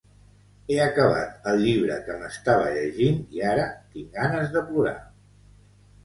He acabat el llibre que m'estava llegint i ara tinc ganes de plorar.